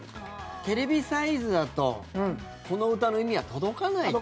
テレビサイズだとこの歌の意味は届かないと。